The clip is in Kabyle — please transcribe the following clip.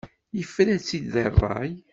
Yefra-tt-id deg ṛṛay.